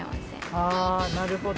あなるほど。